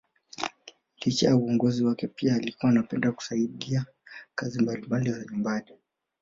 Licha ya uongozi wake pia alikuwa anapenda kusaidia kazi mbalimbali za nyumbani